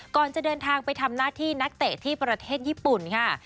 ก่อนจะเดินทางไปทำหน้าที่นักเตะที่ประเทศญี่ปุ่นค่ะ